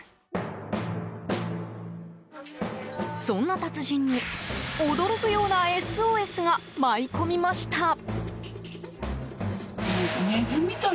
そんな達人に、驚くようなＳＯＳが舞い込みました。